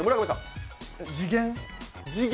次元？